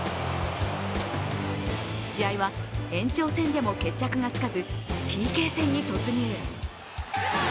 試合は延長戦でも決着がつかずＰＫ戦に突入。